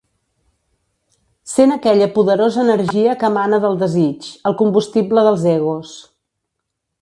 Sent aquella poderosa energia que emana del desig, el combustible dels egos.